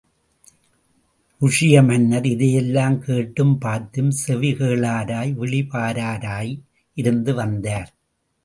ருஷிய மன்னர் இதையெல்லாம் கேட்டும், பார்த்தும், செவிகேளாராய், விழி பாராராய் இருந்து வந்தார்.